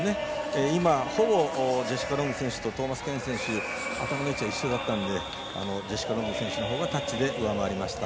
今、ほぼジェシカ・ロング選手とトーマスケーン選手頭の位置が同じだったのでジェシカ・ロング選手のほうがタッチで上回りました。